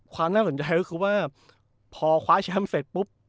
ความน่าสนใจก็คือว่าพอคว้าแชมป์เสร็จปุ๊บ